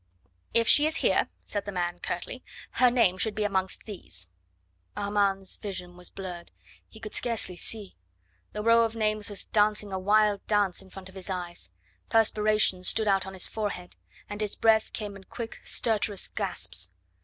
"If she is here," said the man curtly, "her name should be amongst these." Armand's vision was blurred. He could scarcely see. The row of names was dancing a wild dance in front of his eyes; perspiration stood out on his forehead, and his breath came in quick, stertorous gasps.